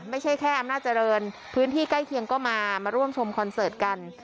ไม่ใช่แค่อำนาจเจริญพื้นที่ใกล้เคียงก็มามาร่วมชมคอนเสิร์ตกัน